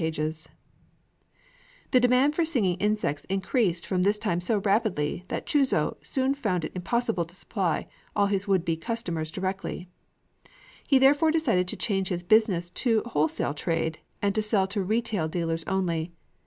CAGE FOR SMALL MUSICAL INSECTS, OR FIRE FLIES] The demand for singing insects increased from this time so rapidly, that Chūzō soon found it impossible to supply all his would be customers directly. He therefore decided to change his business to wholesale trade, and to sell to retail dealers only.